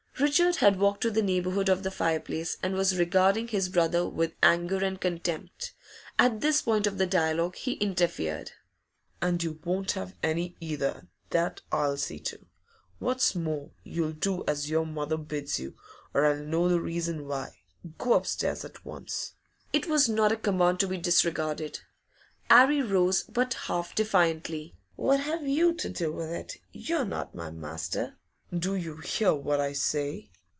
Richard had walked to the neighbourhood of the fireplace, and was regarding his brother with anger and contempt. At this point of the dialogue he interfered. 'And you won't have any, either, that I'll see to! What's more, you'll do as your mother bids you, or I'll know the reason why. Go upstairs at once!' It was not a command to be disregarded. 'Arry rose, but half defiantly. 'What have you to do with it? You're not my master.' 'Do you hear what I say?